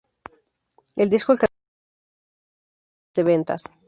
El disco alcanzó el número uno de las listas de ventas.